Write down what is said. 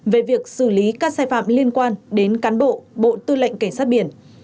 về việc xử lý các sai phạm liên quan đến cán bộ bộ tư lệnh cảnh sát biển